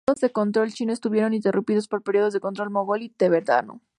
Los periodos de control chino estuvieron interrumpidos por periodos de control mogol y tibetano.